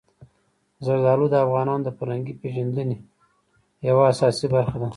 زردالو د افغانانو د فرهنګي پیژندنې یوه اساسي برخه ده.